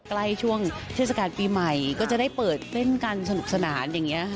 ใกล้ช่วงเทศกาลปีใหม่ก็จะได้เปิดเต้นกันสนุกสนานอย่างนี้ค่ะ